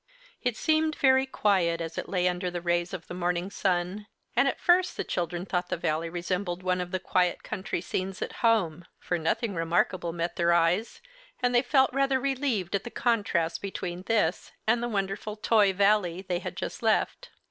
It seemed very quiet as it lay under the rays of the morning sun, and at first the children thought the Valley resembled one of the quiet country scenes at home. For nothing remarkable met their eyes, and they felt rather relieved at the contrast between this and the wonderful Toy Valley they had just left.